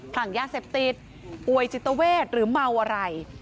คลั่งยากศิพทธิตรป่วยจิตเวทธ์หรือเมาอะไร